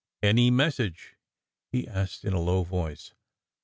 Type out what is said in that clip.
"Any message?" he asked in a low voice.